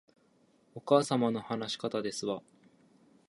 お母様の話し方ですわ